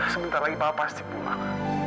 sebentar lagi bapak pasti pulang